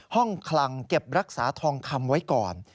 คลังเก็บรักษาทองคำไว้ก่อน